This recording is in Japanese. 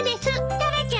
タラちゃん。